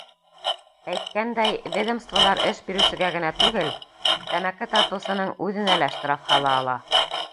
Әйткәндәй, ведомстволар эш биреүсегә генә түгел, тәмәке тартыусының үҙенә лә штраф һала ала.